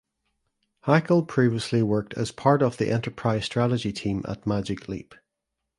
Hackl previously worked as part of the Enterprise Strategy team at Magic Leap.